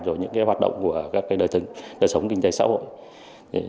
rồi những cái hoạt động của các cái đời sống kinh tế xã hội